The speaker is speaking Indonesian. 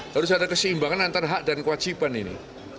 harus ada keseimbangan antara hak dan kewajiban ini